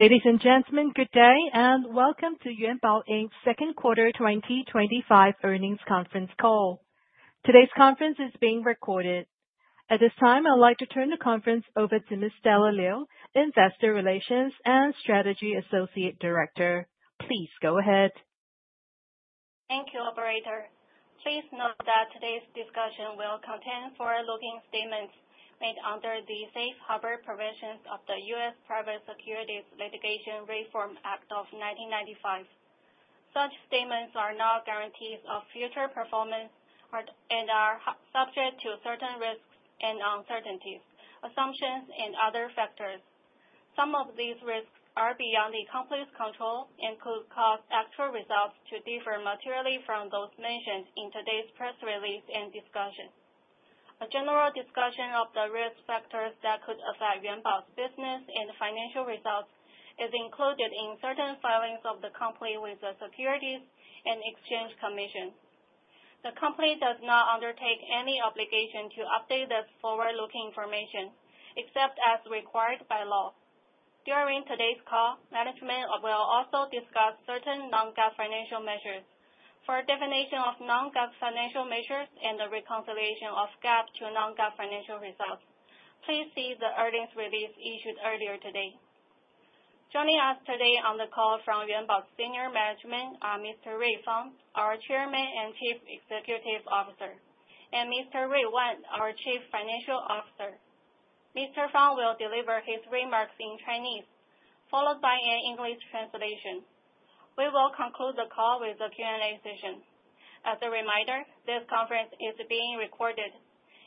Ladies and gentlemen, good day, and welcome to Yuanbao Inc.'s Q2 2025 earnings conference call. Today's conference is being recorded. At this time, I'd like to turn the conference over to Ms. Stella Liu, Investor Relations and Strategy Associate Director. Please go ahead. Thank you, Operator. Please note that today's discussion will contain forward-looking statements made under the Safe Harbor provisions of the U.S. Private Securities Litigation Reform Act of 1995. Such statements are not guarantees of future performance and are subject to certain risks and uncertainties, assumptions, and other factors. Some of these risks are beyond the company's control and could cause actual results to differ materially from those mentioned in today's press release and discussion. A general discussion of the risk factors that could affect Yuanbao's business and financial results is included in certain filings of the company with the Securities and Exchange Commission. The company does not undertake any obligation to update this forward-looking information, except as required by law. During today's call, management will also discuss certain non-GAAP financial measures. For a definition of non-GAAP financial measures and the reconciliation of GAAP to non-GAAP financial results, please see the earnings release issued earlier today. Joining us today on the call from Yuanbao's senior management are Mr. Rui Fang, our Chairman and Chief Executive Officer, and Mr. Rui Wan, our Chief Financial Officer. Mr. Fang will deliver his remarks in Chinese, followed by an English translation. We will conclude the call with a Q&A session. As a reminder, this conference is being recorded.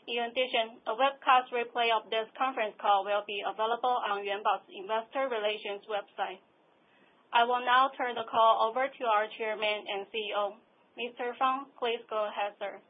In addition, a webcast replay of this conference call will be available on Yuanbao's Investor Relations website. I will now turn the call over to our Chairman and CEO. Mr. Fang, please go ahead, sir.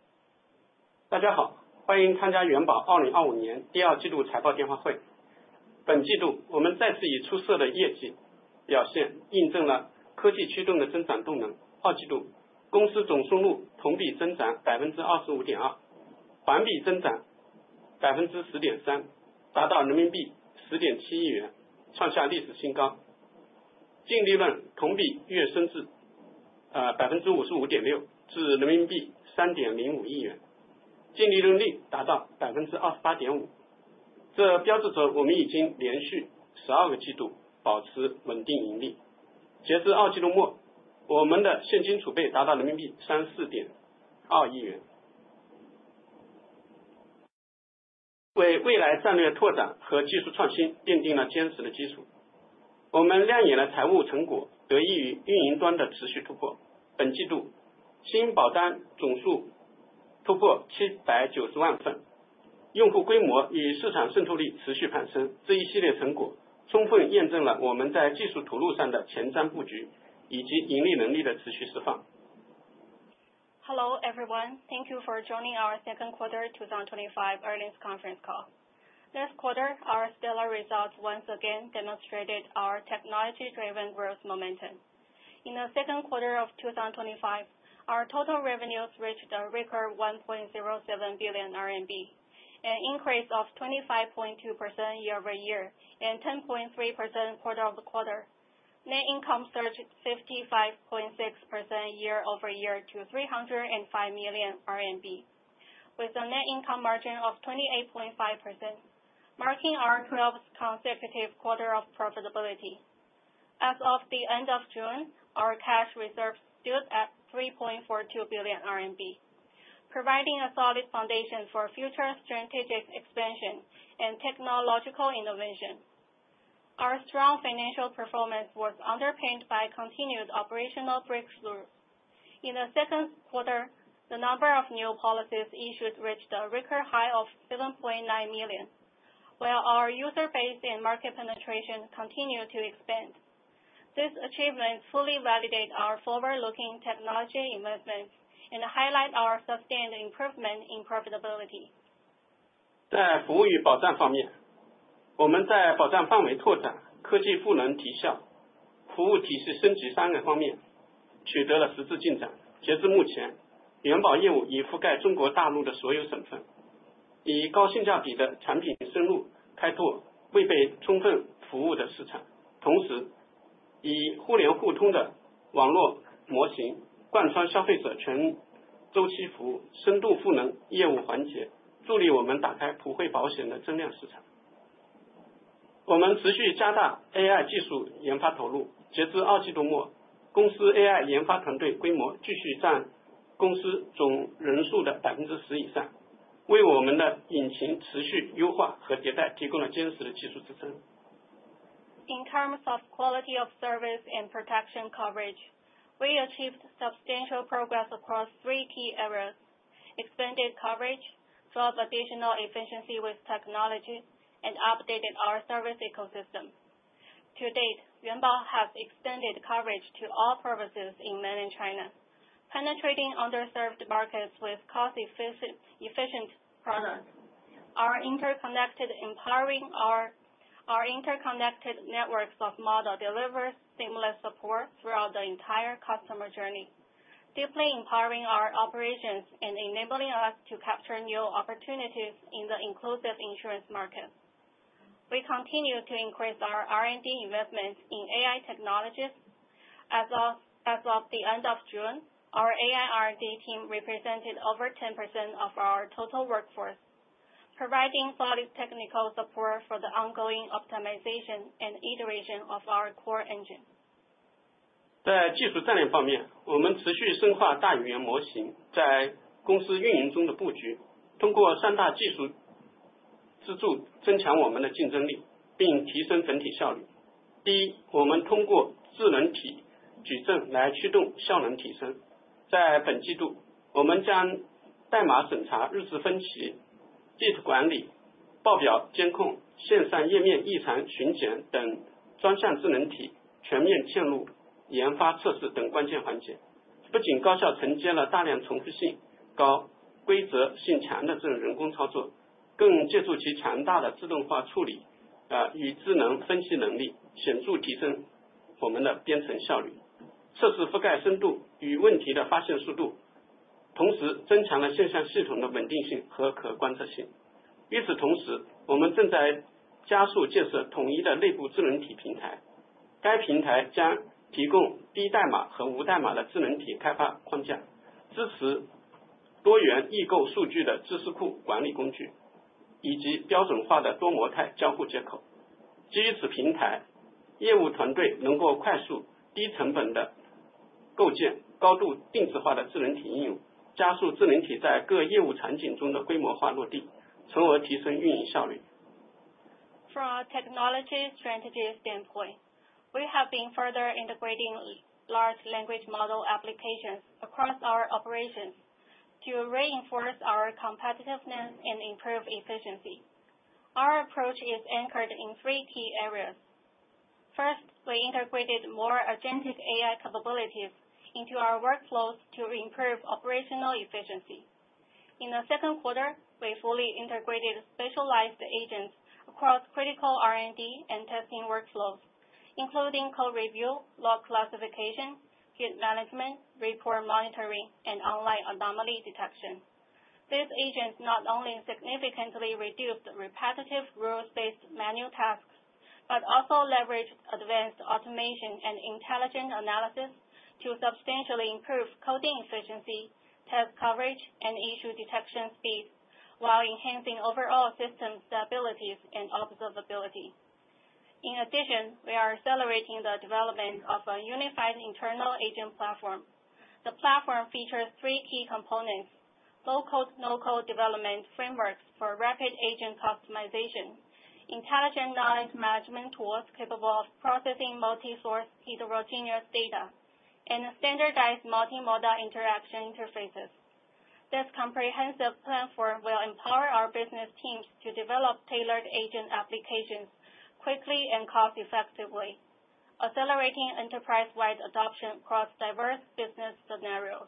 Hello everyone, thank you for joining our Q2 2025 earnings conference call. This quarter, our stellar results once again demonstrated our technology-driven growth momentum. In the Q2 of 2025, our total revenues reached a record 1.07 billion RMB, an increase of 25.2% year-over-year and 10.3% quarter-over-quarter. Net income surged 55.6% year over year to 305 million RMB, with a net income margin of 28.5%, marking our 12th consecutive quarter of profitability. As of the end of June, our cash reserves stood at 3.42 billion RMB, providing a solid foundation for future strategic expansion and technological innovation. Our strong financial performance was underpinned by continued operational breakthroughs. In the Q2, the number of new policies issued reached a record high of 7.9 million, while our user base and market penetration continued to expand. These achievements fully validate our forward-looking technology investments and highlight our sustained improvement in profitability. 在服务与保障方面，我们在保障范围拓展、科技赋能提效、服务提示升级三个方面取得了实质进展。截至目前，元宝业务已覆盖中国大陆的所有省份，以高性价比的产品深入开拓未被充分服务的市场。同时，以互联互通的网络模型贯穿消费者全周期服务，深度赋能业务环节，助力我们打开普惠保险的增量市场。我们持续加大AI技术研发投入。截至二季度末，公司AI研发团队规模继续占公司总人数的10%以上，为我们的引擎持续优化和迭代提供了坚实的技术支撑。In terms of quality of service and protection coverage, we achieved substantial progress across three key areas: expanded coverage, drove additional efficiency with technology, and updated our service ecosystem. To date, Yuanbao has extended coverage to all provinces in Mainland China, penetrating underserved markets with cost-efficient products. Our interconnected networks of models deliver seamless support throughout the entire customer journey, deeply empowering our operations and enabling us to capture new opportunities in the inclusive insurance market. We continue to increase our R&D investments in AI technologies. As of the end of June, our AI R&D team represented over 10% of our total workforce, providing solid technical support for the ongoing optimization and iteration of our core engine. From a technology strategy standpoint, we have been further integrating large language model applications across our operations to reinforce our competitiveness and improve efficiency. Our approach is anchored in three key areas. First, we integrated more agentic AI capabilities into our workflows to improve operational efficiency. In the Q2, we fully integrated specialized agents across critical R&D and testing workflows, including code review, log classification, grid management, report monitoring, and online anomaly detection. These agents not only significantly reduced repetitive rules-based manual tasks but also leveraged advanced automation and intelligent analysis to substantially improve coding efficiency, test coverage, and issue detection speeds, while enhancing overall system stability and observability. In addition, we are accelerating the development of a unified internal agent platform. The platform features three key components: low-code, no-code development frameworks for rapid agent customization, intelligent knowledge management tools capable of processing multi-source heterogeneous data, and standardized multimodal interaction interfaces. This comprehensive platform will empower our business teams to develop tailored agent applications quickly and cost-effectively, accelerating enterprise-wide adoption across diverse business scenarios.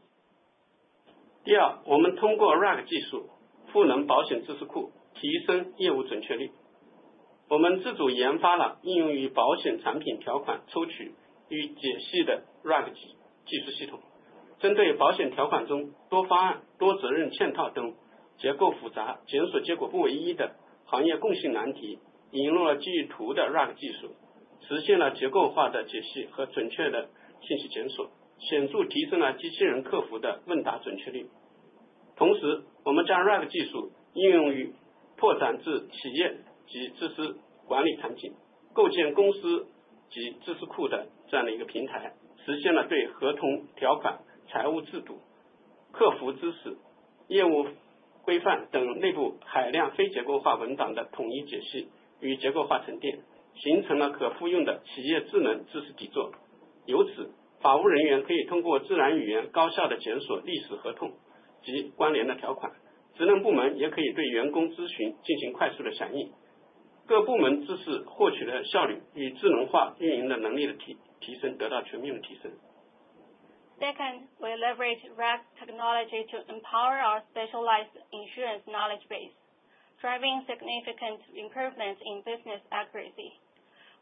Second, we leverage RAG technology to empower our specialized insurance knowledge base, driving significant improvements in business accuracy.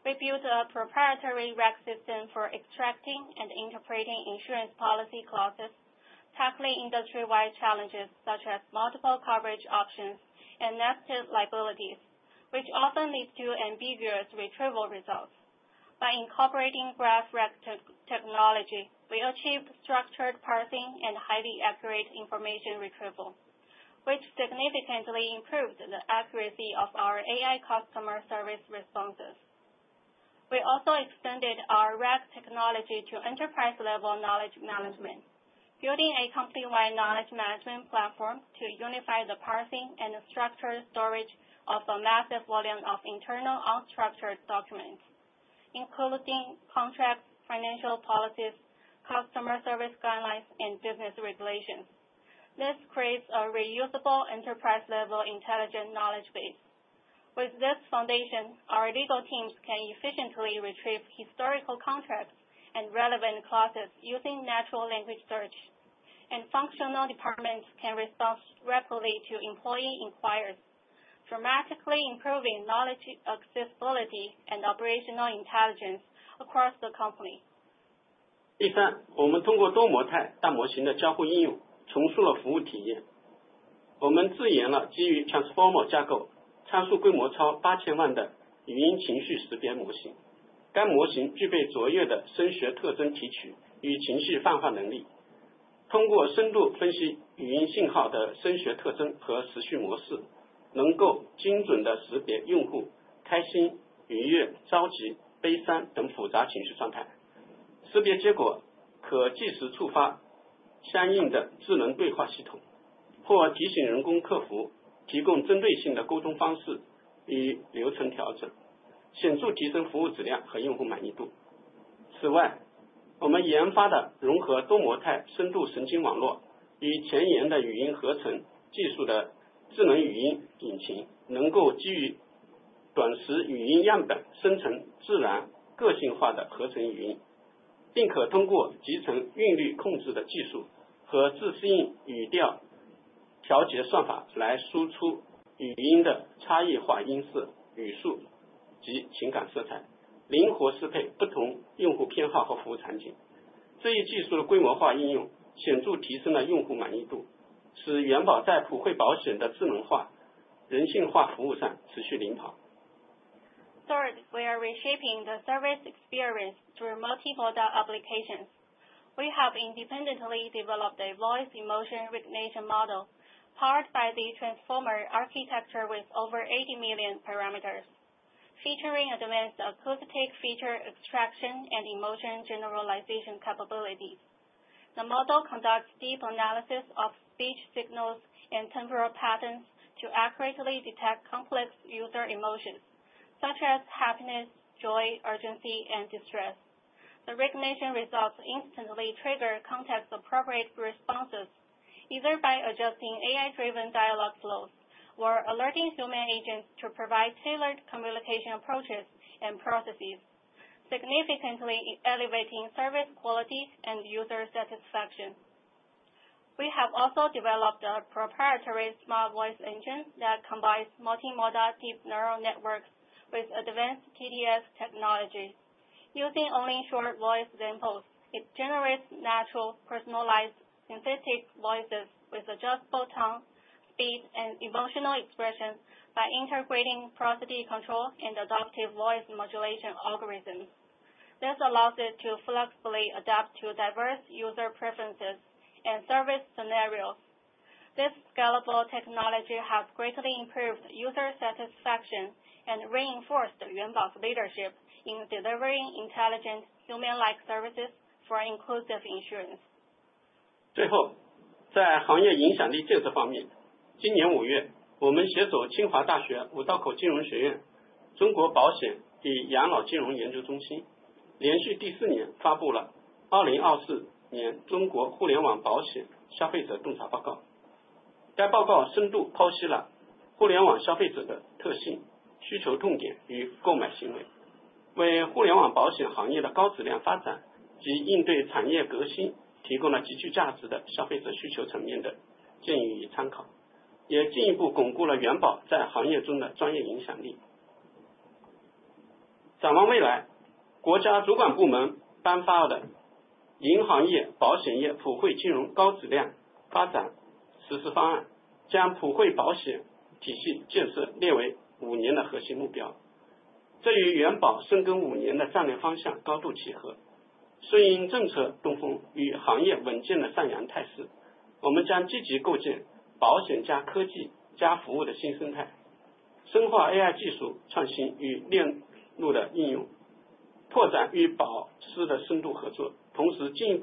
We built a proprietary RAG system for extracting and interpreting insurance policy clauses, tackling industry-wide challenges such as multiple coverage options and nested liabilities, which often lead to ambiguous retrieval results. By incorporating RAG technology, we achieved structured parsing and highly accurate information retrieval, which significantly improved the accuracy of our AI customer service responses. We also extended our RAG technology to enterprise-level knowledge management, building a company-wide knowledge management platform to unify the parsing and structured storage of a massive volume of internal unstructured documents, including contracts, financial policies, customer service guidelines, and business regulations. This creates a reusable enterprise-level intelligent knowledge base. With this foundation, our legal teams can efficiently retrieve historical contracts and relevant clauses using natural language search, and functional departments can respond rapidly to employee inquiries, dramatically improving knowledge accessibility and operational intelligence across the company. Third, we are reshaping the service experience through multimodal applications. We have independently developed a voice-emotion recognition model powered by the Transformer architecture with over 80 million parameters, featuring advanced acoustic feature extraction and emotion generalization capabilities. The model conducts deep analysis of speech signals and temporal patterns to accurately detect complex user emotions, such as happiness, joy, urgency, and distress. The recognition results instantly trigger context-appropriate responses, either by adjusting AI-driven dialogue flows or alerting human agents to provide tailored communication approaches and processes, significantly elevating service quality and user satisfaction. We have also developed a proprietary Smart Voice Engine that combines multimodal deep neural networks with advanced TDS technology. Using only short voice samples, it generates natural, personalized, synthetic voices with adjustable tone, speed, and emotional expression by integrating prosody control and adaptive voice modulation algorithms. This allows it to flexibly adapt to diverse user preferences and service scenarios. This scalable technology has greatly improved user satisfaction and reinforced Yuanbao's leadership in delivering intelligent human-like services for inclusive insurance. Before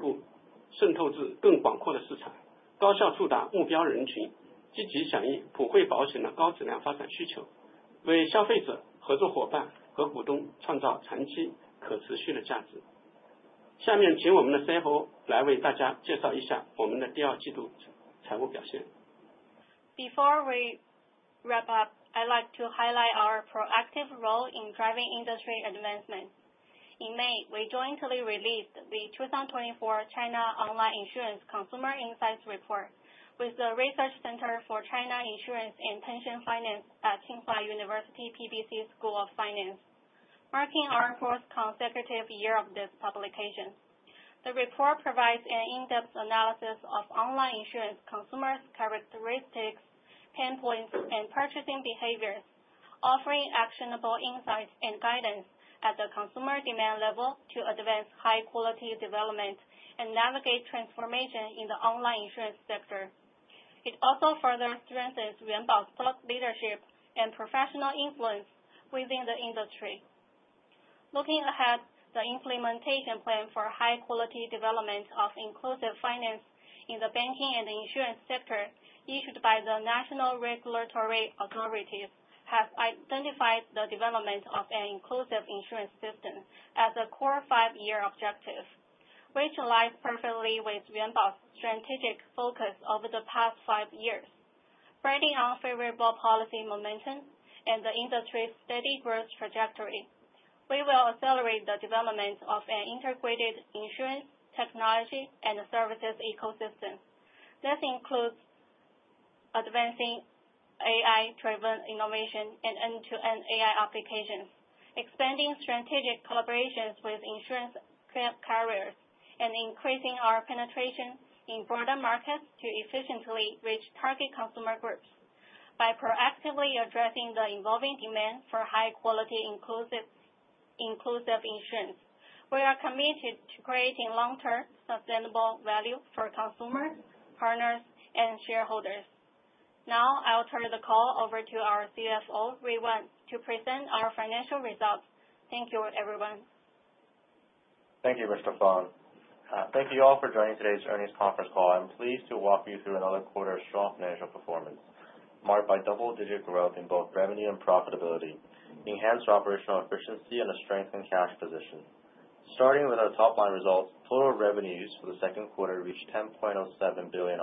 we wrap up, I'd like to highlight our proactive role in driving industry advancement. In May, we jointly released the 2024 China Online Insurance Consumer Insights Report with the Research Center for China Insurance and Pension Finance at Tsinghua University PBC School of Finance, marking our fourth consecutive year of this publication. The report provides an in-depth analysis of online insurance consumers' characteristics, pain points, and purchasing behaviors, offering actionable insights and guidance at the consumer demand level to advance high-quality development and navigate transformation in the online insurance sector. It also further strengthens Yuanbao's leadership and professional influence within the industry. Looking ahead, the implementation plan for high-quality development of inclusive finance in the banking and insurance sector, issued by the National Regulatory Authorities, has identified the development of an inclusive insurance system as a core five-year objective, which aligns perfectly with Yuanbao's strategic focus over the past five years. Building on favorable policy momentum and the industry's steady growth trajectory, we will accelerate the development of an integrated insurance technology and services ecosystem. This includes advancing AI-driven innovation and end-to-end AI applications, expanding strategic collaborations with insurance carriers, and increasing our penetration in broader markets to efficiently reach target consumer groups. By proactively addressing the evolving demand for high-quality inclusive insurance, we are committed to creating long-term sustainable value for consumers, partners, and shareholders. Now, I'll turn the call over to our CFO, Rui Wan, to present our financial results. Thank you, everyone. Thank you, Mr. Fang. Thank you all for joining today's earnings conference call. I'm pleased to walk you through another quarter's strong financial performance, marked by double-digit growth in both revenue and profitability, enhanced operational efficiency, and a strengthened cash position. Starting with our top-line results, total revenues for the Q2 reached 10.07 billion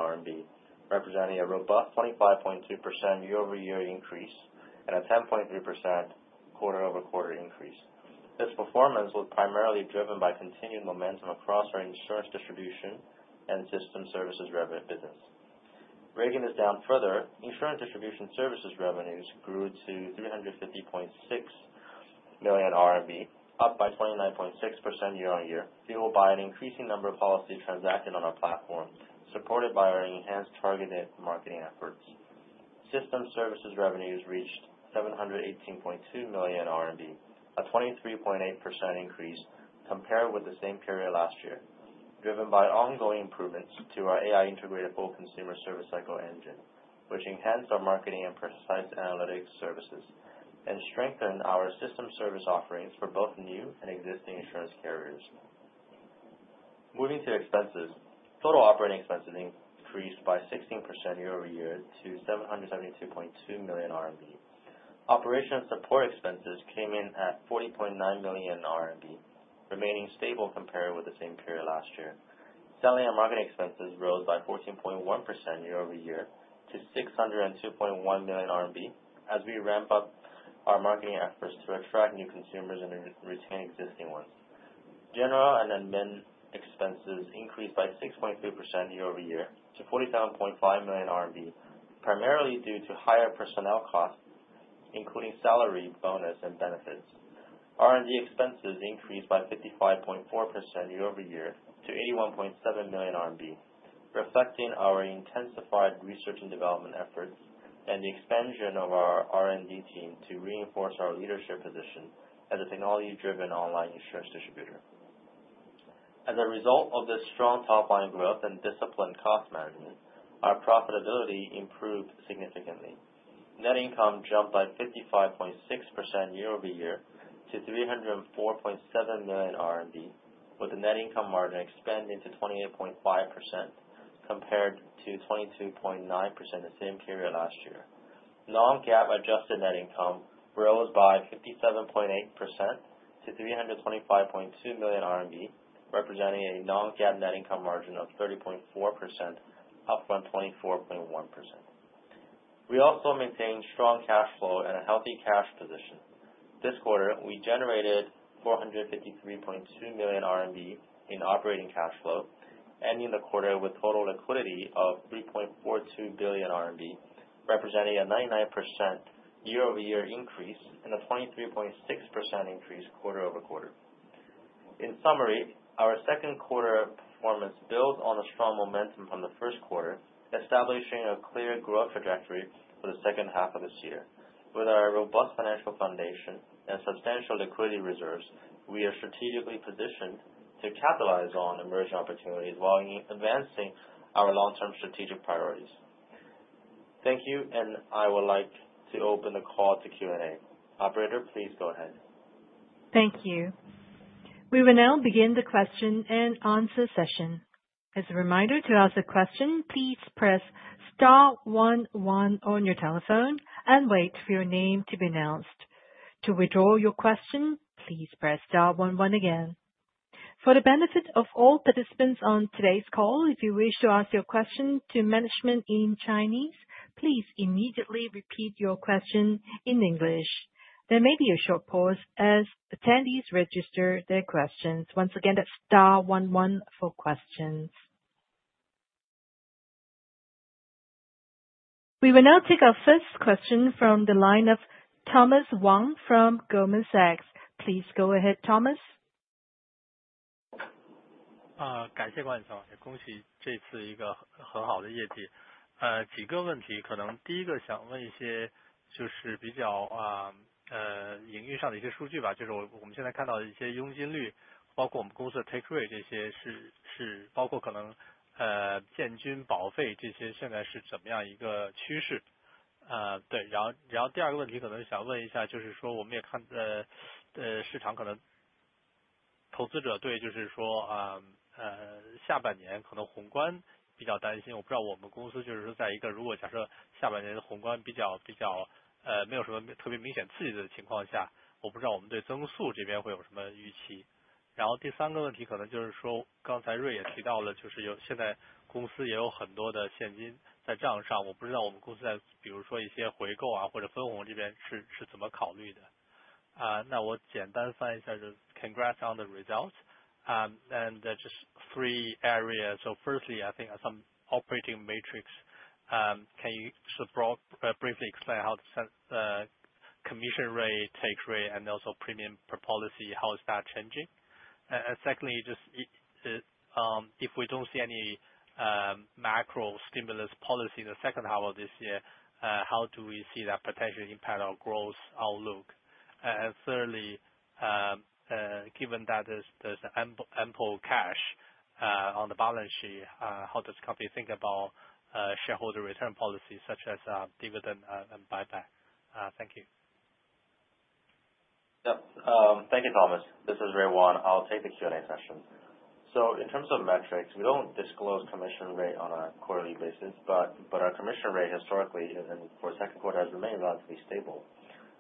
RMB, representing a robust 25.2% year-over-year increase and a 10.3% quarter-over-quarter increase. This performance was primarily driven by continued momentum across our insurance distribution and system services revenue business. Breaking this down further, insurance distribution services revenues grew to 350.6 million RMB, up by 29.6% year-on-year, fueled by an increasing number of policy transactions on our platform, supported by our enhanced targeted marketing efforts. System services revenues reached 718.2 million RMB, a 23.8% increase compared with the same period last year, driven by ongoing improvements to our AI-integrated full consumer service cycle engine, which enhanced our marketing and precise analytics services, and strengthened our system service offerings for both new and existing insurance carriers. Moving to expenses, total operating expenses increased by 16% year-over-year to 772.2 million RMB. Operation support expenses came in at 40.9 million RMB, remaining stable compared with the same period last year. Selling and marketing expenses rose by 14.1% year-over-year to 602.1 million RMB as we ramp up our marketing efforts to attract new consumers and retain existing ones. General and admin expenses increased by 6.3% year-over-year to 47.5 million RMB, primarily due to higher personnel costs, including salary bonus and benefits. R&D expenses increased by 55.4% year-over-year to 81.7 million RMB, reflecting our intensified research and development efforts and the expansion of our R&D team to reinforce our leadership position as a technology-driven online insurance distributor. As a result of this strong top-line growth and disciplined cost management, our profitability improved significantly. Net income jumped by 55.6% year-over-year to 304.7 million RMB, with the net income margin expanding to 28.5% compared to 22.9% the same period last year. Non-GAAP adjusted net income rose by 57.8% to 325.2 million RMB, representing a non-GAAP net income margin of 30.4%, up from 24.1%. We also maintained strong cash flow and a healthy cash position. This quarter, we generated 453.2 million RMB in operating cash flow, ending the quarter with total liquidity of 3.42 billion RMB, representing a 99% year-over-year increase and a 23.6% increase quarter-over-quarter. In summary, our Q2 performance builds on the strong momentum from the Q1, establishing a clear growth trajectory for the H2 of this year. With our robust financial foundation and substantial liquidity reserves, we are strategically positioned to capitalize on emerging opportunities while advancing our long-term strategic priorities. Thank you, and I would like to open the call to Q&A. Operator, please go ahead. Thank you. We will now begin the question and answer session. As a reminder to ask a question, please press star 11 on your telephone and wait for your name to be announced. To withdraw your question, please press star 11 again. For the benefit of all participants on today's call, if you wish to ask your question to management in Chinese, please immediately repeat your question in English. There may be a short pause as attendees register their questions. Once again, that's star 11 for questions. We will now take our first question from the line of Thomas Wang from Goldman Sachs. Please go ahead, Thomas. 感谢关总，恭喜这次一个很好的业绩。几个问题，可能第一个想问一些就是比较营运上的一些数据，就是我们现在看到的一些佣金率，包括我们公司的 take rate 这些，是包括可能单均保费这些现在是怎么样一个趋势。对，然后第二个问题可能想问一下就是说我们也看市场可能投资者对就是说下半年可能宏观比较担心。我不知道我们公司就是说在一个如果假设下半年的宏观比较没有什么特别明显刺激的情况下，我不知道我们对增速这边会有什么预期。然后第三个问题可能就是说刚才瑞也提到了就是现在公司也有很多的现金在账上，我不知道我们公司在比如说一些回购或者分红这边是怎么考虑的。那我简单翻一下就是 Congrats on the results and just three areas. So firstly, I think some operating metrics. Can you just briefly explain how the commission rate, take rate, and also premium per policy, how is that changing? And secondly, just if we don't see any macro stimulus policy in the H2 of this year, how do we see that potentially impact our growth outlook? And thirdly, given that there's ample cash on the balance sheet, how does company think about shareholder return policies such as dividend and buyback? Thank you. Yep. Thank you, Thomas. This is Rui Wan. I'll take the Q&A session. So, in terms of metrics, we don't disclose commission rate on a quarterly basis, but our commission rate historically for the Q2 has remained relatively stable.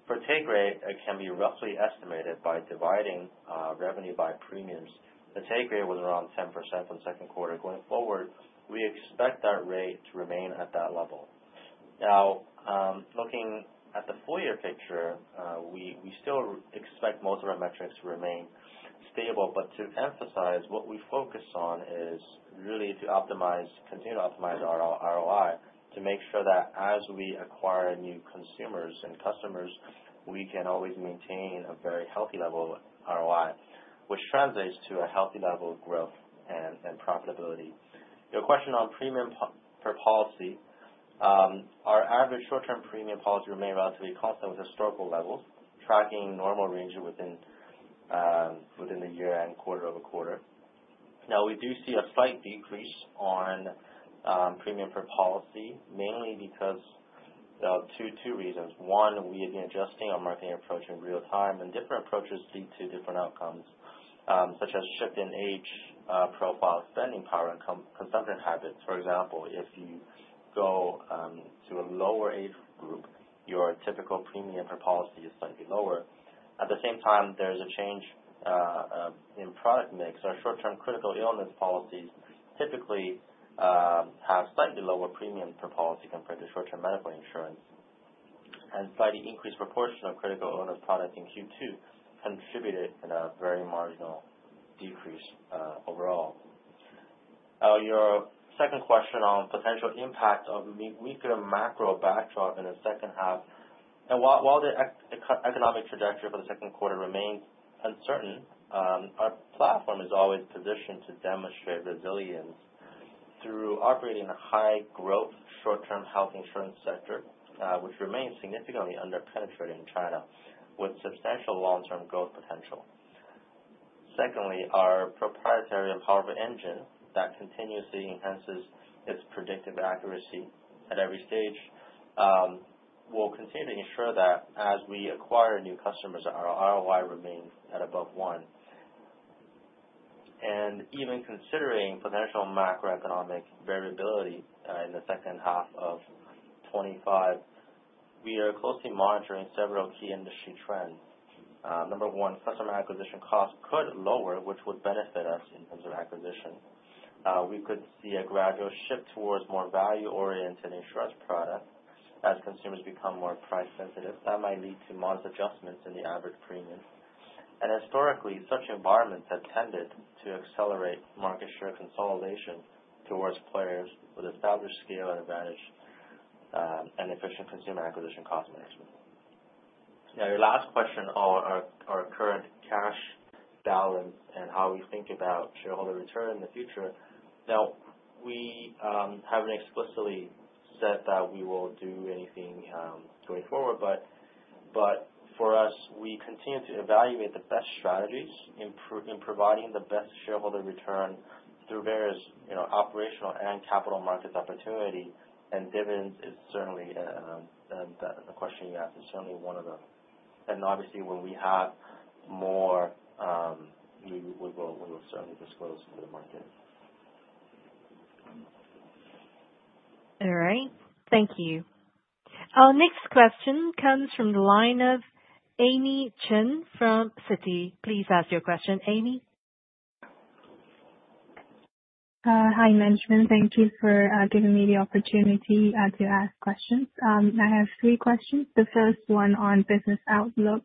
For take rate, it can be roughly estimated by dividing revenue by premiums. The take rate was around 10% from Q2. Going forward, we expect that rate to remain at that level. Now, looking at the four-year picture, we still expect most of our metrics to remain stable. But to emphasize, what we focus on is really to continue to optimize our ROI to make sure that as we acquire new consumers and customers, we can always maintain a very healthy level of ROI, which translates to a healthy level of growth and profitability. Your question on premium per policy, our average short-term premium policy remained relatively constant with historical levels, tracking normal range within the year and quarter-over-quarter. Now, we do see a slight decrease on premium per policy, mainly because of two reasons. One, we have been adjusting our marketing approach in real time, and different approaches lead to different outcomes, such as shift in age profile, spending power, and consumption habits. For example, if you go to a lower age group, your typical premium per policy is slightly lower. At the same time, there's a change in product mix. Our short-term critical illness policies typically have slightly lower premium per policy compared to short-term medical insurance, and slightly increased proportion of critical illness products in Q2 contributed in a very marginal decrease overall. Your second question on potential impact of weaker macro backdrop in the H2. While the economic trajectory for the Q2 remains uncertain, our platform is always positioned to demonstrate resilience through operating in a high-growth short-term health insurance sector, which remains significantly underpenetrated in China, with substantial long-term growth potential. Secondly, our proprietary and powerful engine that continuously enhances its predictive accuracy at every stage will continue to ensure that as we acquire new customers, our ROI remains at above one. Even considering potential macroeconomic variability in the H2 of 2025, we are closely monitoring several key industry trends. Number one, customer acquisition costs could lower, which would benefit us in terms of acquisition. We could see a gradual shift towards more value-oriented insurance products as consumers become more price-sensitive. That might lead to modest adjustments in the average premium. Historically, such environments have tended to accelerate market share consolidation towards players with established scale advantage and efficient consumer acquisition cost management. Now, your last question on our current cash balance and how we think about shareholder return in the future. Now, we haven't explicitly said that we will do anything going forward, but for us, we continue to evaluate the best strategies in providing the best shareholder return through various operational and capital markets opportunities, and dividends is certainly the question you asked is certainly one of the. Obviously, when we have more, we will certainly disclose to the market. All right. Thank you. Our next question comes from the line of Amy Chen from Citi. Please ask your question. Amy. Hi, management. Thank you for giving me the opportunity to ask questions. I have three questions. The first one on business outlook.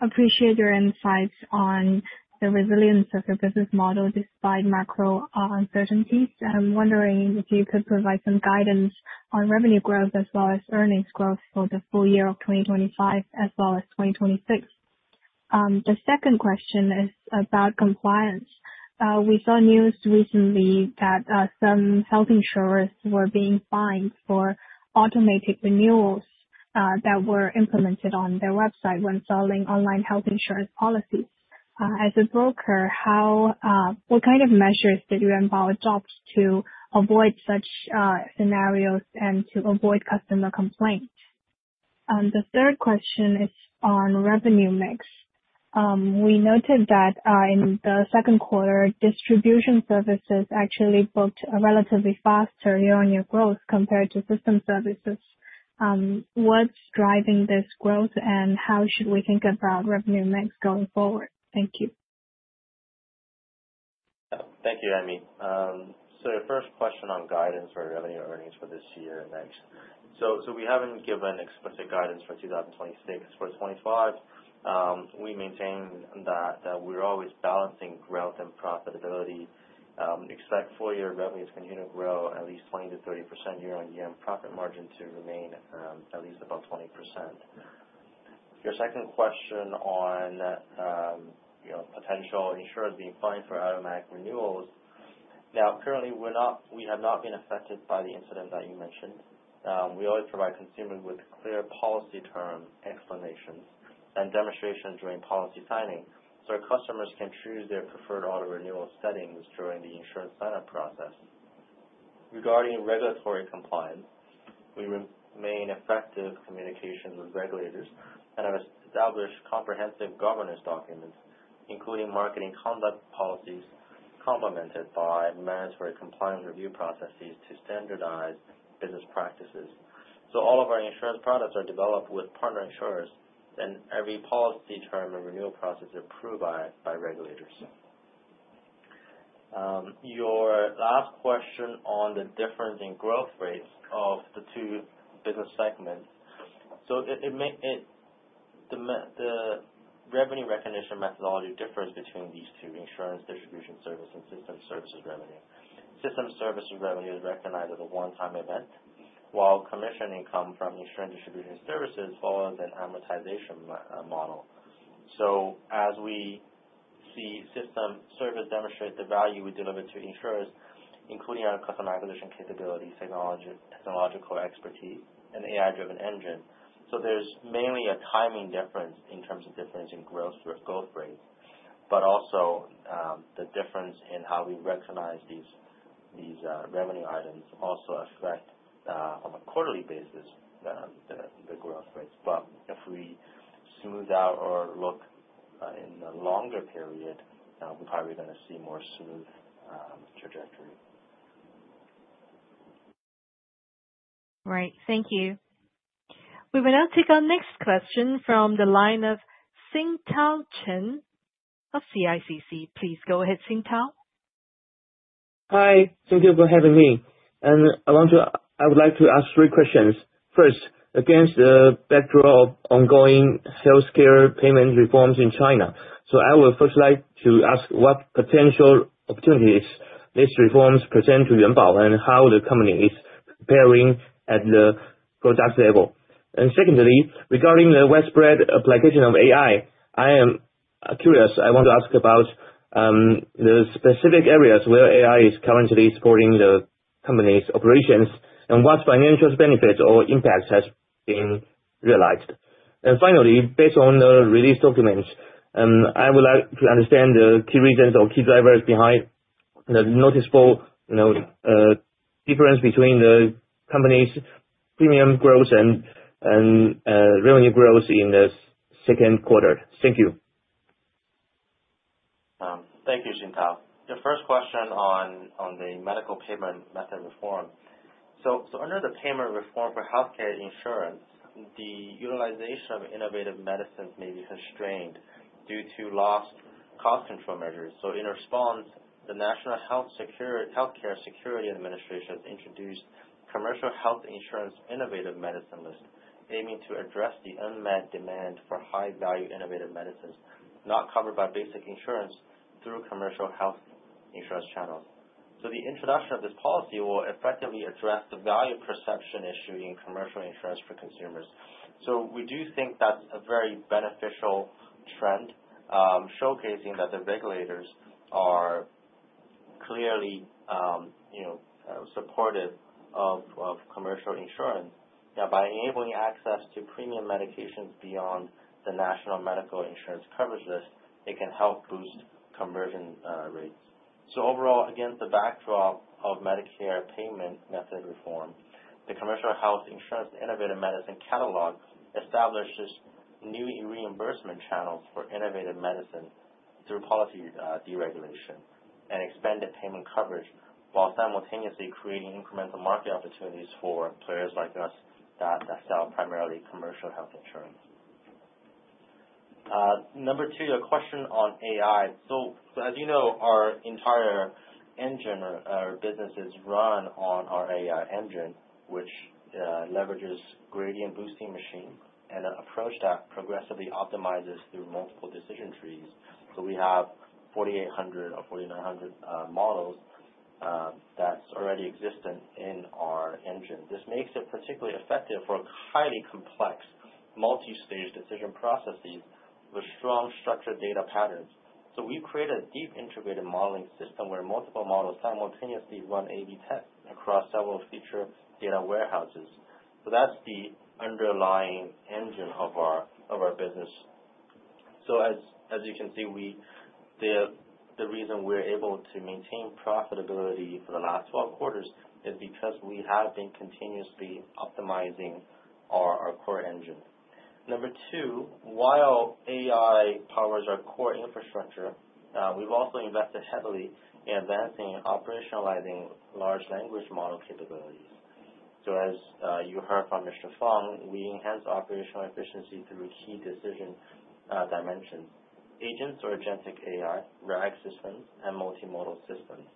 Appreciate your insights on the resilience of your business model despite macro uncertainties. I'm wondering if you could provide some guidance on revenue growth as well as earnings growth for the full year of 2025 as well as 2026. The second question is about compliance. We saw news recently that some health insurers were being fined for automated renewals that were implemented on their website when selling online health insurance policies. As a broker, what kind of measures did Yuanbao adopt to avoid such scenarios and to avoid customer complaints? The third question is on revenue mix. We noted that in the Q2, distribution services actually booked relatively faster year-on-year growth compared to system services. What's driving this growth, and how should we think about revenue mix going forward? Thank you. Thank you, Amy. So, your first question on guidance for revenue earnings for this year and next. So, we haven't given explicit guidance for 2026. For 2025, we maintain that we're always balancing growth and profitability. Expect full-year revenues continue to grow at least 20%-30% year-on-year and profit margin to remain at least above 20%. Your second question on potential insurers being fined for automatic renewals. Now, currently, we have not been affected by the incident that you mentioned. We always provide consumers with clear policy term explanations and demonstrations during policy signing so our customers can choose their preferred auto renewal settings during the insurance sign-up process. Regarding regulatory compliance, we maintain effective communications with regulators and have established comprehensive governance documents, including marketing conduct policies complemented by mandatory compliance review processes to standardize business practices. All of our insurance products are developed with partner insurers, and every policy term and renewal process is approved by regulators. Your last question on the difference in growth rates of the two business segments. The revenue recognition methodology differs between these two: insurance distribution service and system services revenue. System services revenue is recognized as a one-time event, while commission income from insurance distribution services follows an amortization model, as we see system services demonstrate the value we deliver to insurers, including our customer acquisition capabilities, technological expertise, and AI-driven engine. There's mainly a timing difference in terms of difference in growth rates, but also the difference in how we recognize these revenue items also affect on a quarterly basis the growth rates. If we smooth out or look in the longer period, we're probably going to see more smooth trajectory. Right. Thank you. We will now take our next question from the line of Xingtao Chen of CICC. Please go ahead, Xingtao. Hi. Thank you for having me. And I would like to ask three questions. First, against the backdrop of ongoing healthcare payment reforms in China, so I would first like to ask what potential opportunities these reforms present to Yuanbao and how the company is preparing at the product level. And secondly, regarding the widespread application of AI, I am curious. I want to ask about the specific areas where AI is currently supporting the company's operations and what financial benefits or impacts have been realized. And finally, based on the released documents, I would like to understand the key reasons or key drivers behind the noticeable difference between the company's premium growth and revenue growth in the Q2. Thank you. Thank you, Xingtao. Your first question on the medical payment method reform. So, under the payment reform for healthcare insurance, the utilization of innovative medicines may be constrained due to strict cost control measures. So, in response, the National Healthcare Security Administration has introduced commercial health insurance innovative medicine lists, aiming to address the unmet demand for high-value innovative medicines not covered by basic insurance through commercial health insurance channels. So, the introduction of this policy will effectively address the value perception issue in commercial insurance for consumers. So, we do think that's a very beneficial trend, showcasing that the regulators are clearly supportive of commercial insurance. Now, by enabling access to premium medications beyond the national medical insurance coverage list, it can help boost conversion rates. So, overall, against the backdrop of Medicare payment method reform, the commercial health insurance innovative medicine catalog establishes new reimbursement channels for innovative medicine through policy deregulation and expanded payment coverage, while simultaneously creating incremental market opportunities for players like us that sell primarily commercial health insurance. Number two, your question on AI. So, as you know, our entire engine or business is run on our AI engine, which leverages gradient boosting machines and an approach that progressively optimizes through multiple decision trees. So, we have 4,800 or 4,900 models that's already existent in our engine. This makes it particularly effective for highly complex multi-stage decision processes with strong structured data patterns. So, we create a deep integrated modeling system where multiple models simultaneously run A/B tests across several feature data warehouses. So, that's the underlying engine of our business. As you can see, the reason we're able to maintain profitability for the last 12 quarters is because we have been continuously optimizing our core engine. Number two, while AI powers our core infrastructure, we've also invested heavily in advancing and operationalizing large language model capabilities. As you heard from Mr. Fang, we enhance operational efficiency through key decision dimensions: agents or agentic AI, RAG systems, and multimodal systems.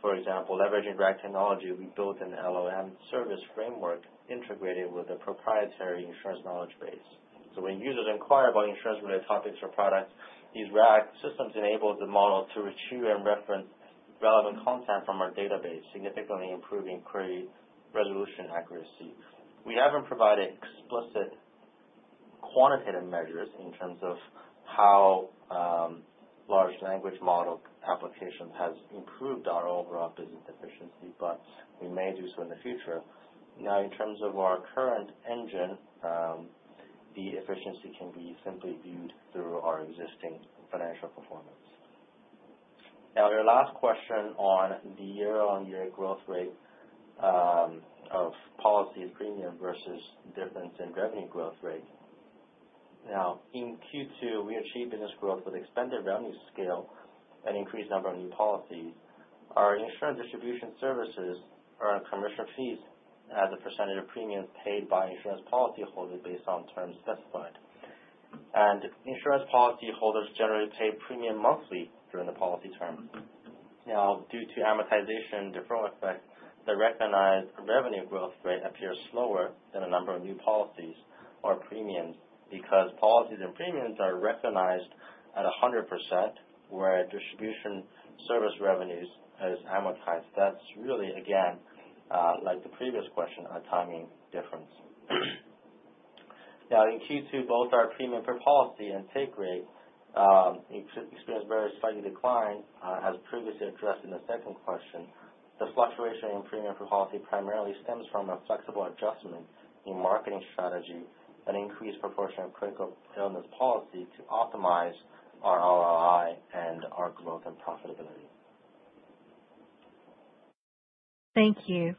For example, leveraging RAG technology, we built an LLM service framework integrated with a proprietary insurance knowledge base. When users inquire about insurance-related topics or products, these RAG systems enable the model to retrieve and reference relevant content from our database, significantly improving query resolution accuracy. We haven't provided explicit quantitative measures in terms of how large language model applications have improved our overall business efficiency, but we may do so in the future. Now, in terms of our current engine, the efficiency can be simply viewed through our existing financial performance. Now, your last question on the year-on-year growth rate of policy premium versus difference in revenue growth rate. Now, in Q2, we achieved business growth with expanded revenue scale and increased number of new policies. Our insurance distribution services earn commission fees as a percentage of premiums paid by insurance policyholders based on terms specified, and insurance policyholders generally pay premium monthly during the policy term. Now, due to amortization deferral effect, the recognized revenue growth rate appears slower than the number of new policies or premiums because policies and premiums are recognized at 100%, where distribution service revenues are amortized. That's really, again, like the previous question, a timing difference. Now, in Q2, both our premium per policy and take rate experienced very slightly declined, as previously addressed in the second question. The fluctuation in premium per policy primarily stems from a flexible adjustment in marketing strategy and increased proportion of critical illness policy to optimize our ROI and our growth and profitability. Thank you.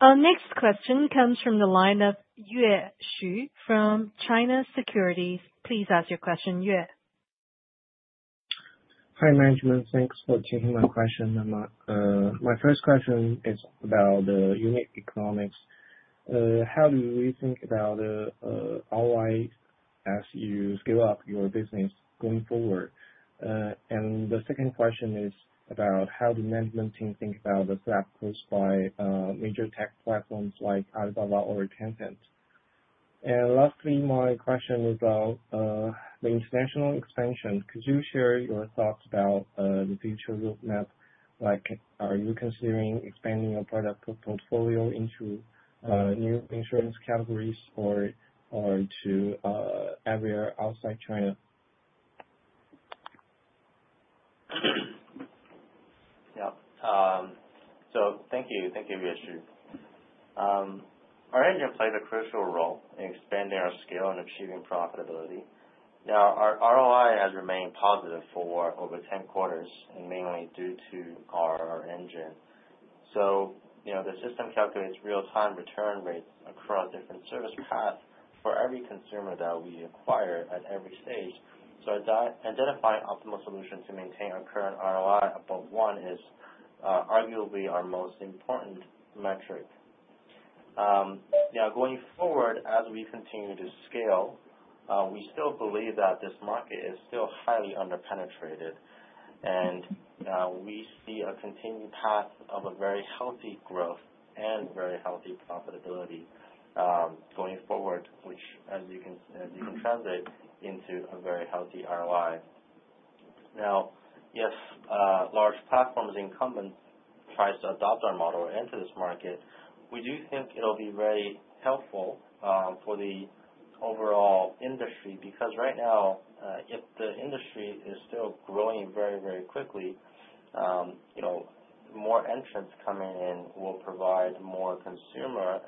Our next question comes from the line of Yue Xu from China Securities. Please ask your question, Yue. Hi, management. Thanks for taking my question. My first question is about unit economics. How do you think about ROI as you scale up your business going forward? And the second question is about how the management team thinks about the threat posed by major tech platforms like Alibaba or Tencent. And lastly, my question is about the international expansion. Could you share your thoughts about the future roadmap? Are you considering expanding your product portfolio into new insurance categories or to areas outside China? Yep. So, thank you. Thank you, Yue Xu. Our engine plays a crucial role in expanding our scale and achieving profitability. Now, our ROI has remained positive for over 10 quarters, mainly due to our engine. So, the system calculates real-time return rates across different service paths for every consumer that we acquire at every stage. So, identifying optimal solutions to maintain our current ROI above one is arguably our most important metric. Now, going forward, as we continue to scale, we still believe that this market is still highly underpenetrated, and we see a continued path of a very healthy growth and very healthy profitability going forward, which, as you can translate, into a very healthy ROI. Now, if large platform incumbents try to adopt our model or enter this market, we do think it'll be very helpful for the overall industry because right now, if the industry is still growing very, very quickly, more entrants coming in will provide more consumer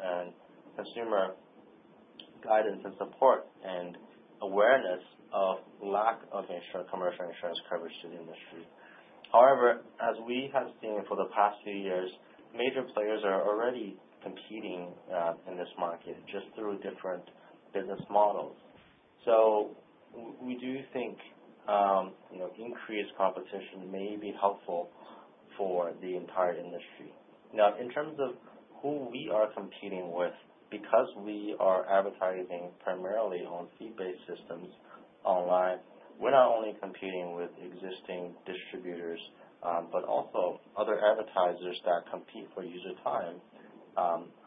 guidance and support and awareness of lack of commercial insurance coverage to the industry. However, as we have seen for the past few years, major players are already competing in this market just through different business models. So, we do think increased competition may be helpful for the entire industry. Now, in terms of who we are competing with, because we are advertising primarily on fee-based systems online, we're not only competing with existing distributors but also other advertisers that compete for user time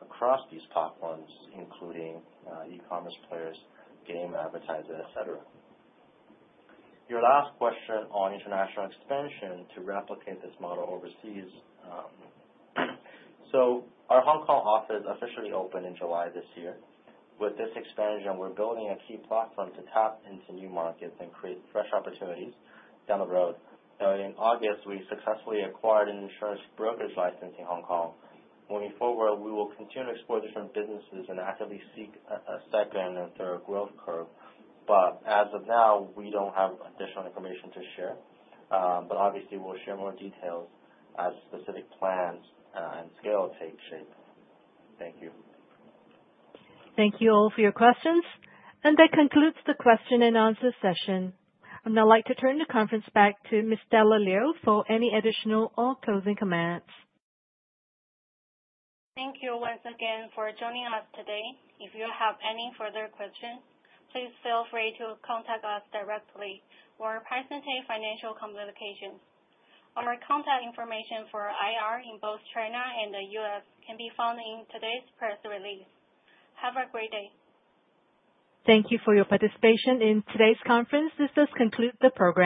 across these platforms, including e-commerce players, game advertisers, etc. Your last question on international expansion to replicate this model overseas. Our Hong Kong office officially opened in July this year. With this expansion, we're building a key platform to tap into new markets and create fresh opportunities down the road. Now, in August, we successfully acquired an insurance brokerage license in Hong Kong. Going forward, we will continue to explore different businesses and actively seek a second and a third growth curve. As of now, we don't have additional information to share. Obviously, we'll share more details as specific plans and scale take shape. Thank you. Thank you all for your questions. And that concludes the question and answer session. I'd now like to turn the conference back to Ms. Stella Liu for any additional or closing comments. Thank you once again for joining us today. If you have any further questions, please feel free to contact us directly or Piacente Financial Communications. Our contact information for IR in both China and the U.S. can be found in today's press release. Have a great day. Thank you for your participation in today's conference. This does conclude the program.